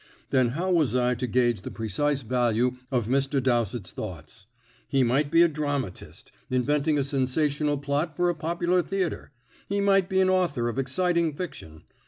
Then how was I to gauge the precise value of Mr. Dowsett's thoughts? He might be a dramatist, inventing a sensational plot for a popular theatre; he might be an author of exciting fiction.